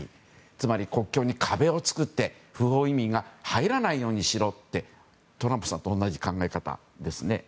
つまり、国境に壁を作って不法移民が入らないようにしろとトランプさんと同じ考え方ですね。